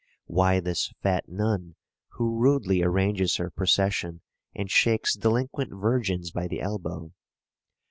why this fat nun, who rudely arranges her procession and shakes delinquent virgins by the elbow?